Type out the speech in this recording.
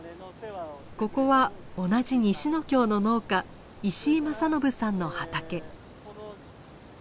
ここは同じ西ノ京の農家石井政伸さんの畑。